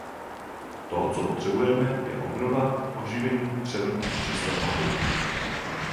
To, co potřebujeme, je obnova, oživení, přerod a přestavba Haiti.